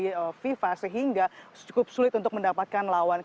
di fifa sehingga cukup sulit untuk mendapatkan lawan